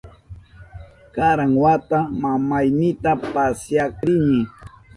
Karan wata mamaynita pasyak rini.